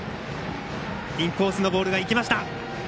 インコースのボールが生きました。